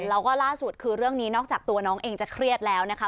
แล้วก็ล่าสุดคือเรื่องนี้นอกจากตัวน้องเองจะเครียดแล้วนะคะ